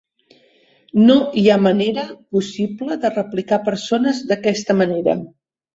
No hi ha manera possible de replicar persones d'aquesta manera.